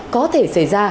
có thể xảy ra